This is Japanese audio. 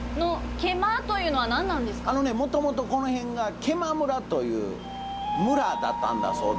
もともとこの辺が毛馬村という村だったんだそうですね。